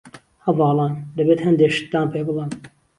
هەڤاڵان ، دەبێت هەندێ شتتان پێ بڵیم.